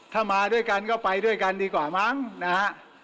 ถ้ามาด้วยกันก็ไปด้วยกันดีกว่ามั้งนะฮะ